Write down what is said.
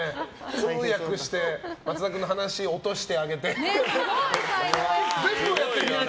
通訳して松田君を落としてあげて。